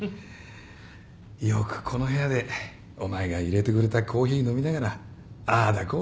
よくこの部屋でお前が入れてくれたコーヒー飲みながらああだこうだ作戦会議したよな。